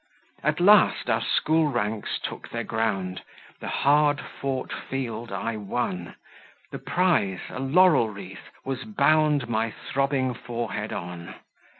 At last our school ranks took their ground, The hard fought field I won; The prize, a laurel wreath, was bound My throbbing forehead on.